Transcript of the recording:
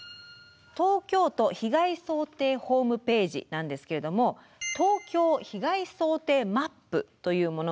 東京都被害想定ホームページなんですけれども東京被害想定マップというものがあります。